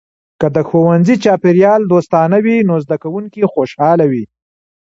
که د ښوونځي چاپیریال دوستانه وي، نو زده کونکي خوشحاله وي.